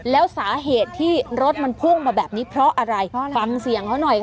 แล้วสาเหตุที่รถมันพุ่งมาแบบนี้เพราะอะไรฟังเสียงเขาหน่อยค่ะ